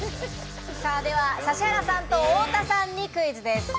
指原さんと太田さんにクイズです。